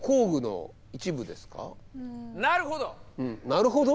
なるほど。